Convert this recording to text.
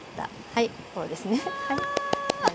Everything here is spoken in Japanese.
はいこうですね。わ！